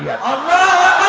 kita telah memenangkan